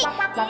pak pak pak